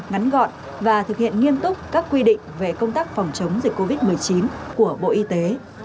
ngắn gọn và thực hiện nghiêm túc các quy định về công tác phòng chống dịch covid một mươi chín của bộ y tế